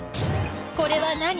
これは何？